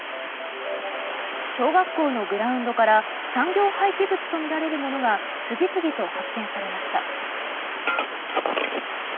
小学校のグラウンドから産業廃棄物とみられるものが次々と発見されました。